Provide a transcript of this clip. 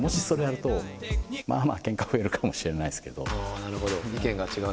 あなるほど。